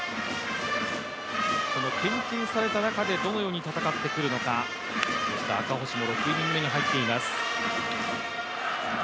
研究された中でどのように戦っていくか、赤星も６イニング目に入っています